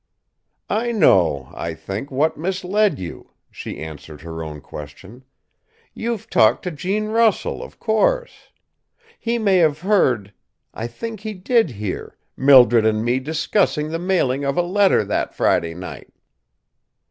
"I know, I think, what misled you," she answered her own question. "You've talked to Gene Russell, of course. He may have heard I think he did hear Mildred and me discussing the mailing of a letter that Friday night."